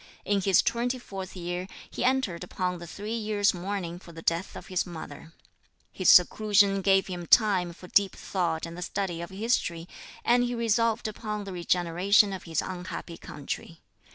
In his twenty fourth year he entered upon the three years' mourning for the death of his mother. His seclusion gave him time for deep thought and the study of history, and he resolved upon the regeneration of his unhappy country.